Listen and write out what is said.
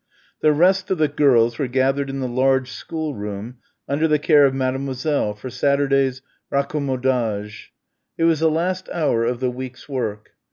The rest of the girls were gathered in the large schoolroom under the care of Mademoiselle for Saturday's raccommodage. It was the last hour of the week's work.